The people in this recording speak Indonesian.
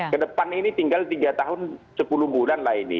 kedepan ini tinggal tiga tahun sepuluh bulan lah ini